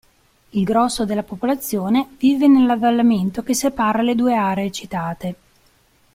Il grosso della popolazione vive nell'avvallamento che separa le due aree citate.